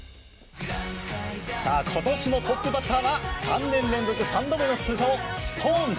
今年のトップバッターは３年連続３度目の出場ＳｉｘＴＯＮＥＳ。